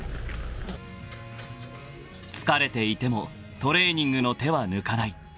［疲れていてもトレーニングの手は抜かない］